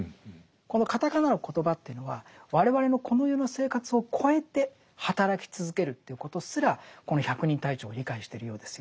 このカタカナのコトバというのは我々のこの世の生活を超えて働き続けるということすらこの百人隊長は理解してるようですよね。